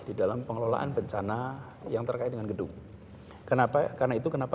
di dalam pengelolaan bencana yang terkait dengan gedung kenapa karena itu kenapa